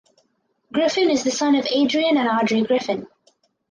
Griffin is the son of Adrian and Audrey Griffin.